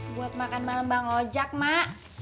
buat makan malam bang ojek mak